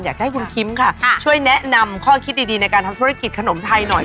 อยากจะให้คุณคิมค่ะช่วยแนะนำข้อคิดดีในการทำธุรกิจขนมไทยหน่อย